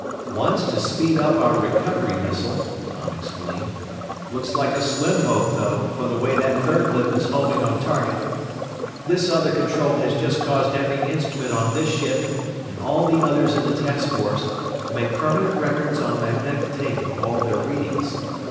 "One's to speed up our recovery missile," Tom explained. "Looks like a slim hope, though, from the way that third blip is homing on target. This other control has just caused every instrument on this ship, and all the others in the task force, to make permanent records on magnetic tape of all their readings.